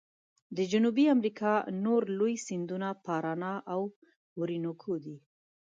د جنوبي امریکا نور لوی سیندونه پارانا او اورینوکو دي.